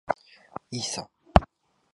いいさ。